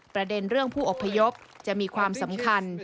ประเด็นเรื่องผู้อพยพจะมีความสำคัญ